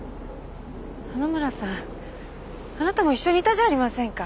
花村さんあなたも一緒にいたじゃありませんか。